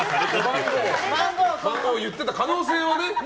番号言ってた可能性はね。